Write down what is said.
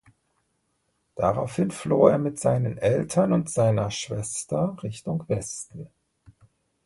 Daraufhin floh er mit seinen Eltern und seiner Schwester Richtung Westen.